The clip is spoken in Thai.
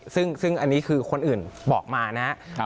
ซึ่งอันนี้คือคนอื่นบอกมานะครับ